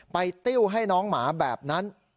ติ้วให้น้องหมาแบบนั้น